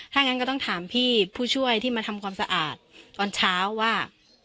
ถ้างั้นก็ต้องถามพี่ผู้ช่วยที่มาทำความสะอาดตอนเช้าว่า